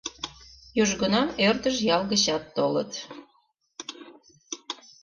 Южгунам ӧрдыж ял гычат толыт.